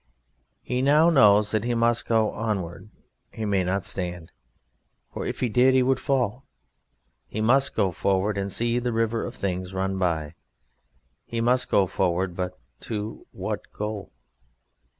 He now knows that he must go onward, he may not stand, for if he did he would fall. He must go forward and see the river of things run by. He must go forward but to what goal?